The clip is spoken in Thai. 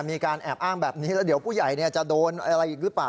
มีการแอบอ้างแบบนี้แล้วเดี๋ยวผู้ใหญ่จะโดนอะไรอีกหรือเปล่า